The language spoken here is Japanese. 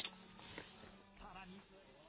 さらに。